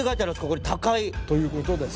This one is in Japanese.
ここに。ということです。